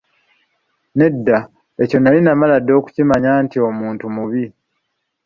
Nedda, ekyo nnali namala dda okukimanya nti muntu mubi.